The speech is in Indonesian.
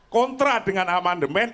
kontra dengan amandemen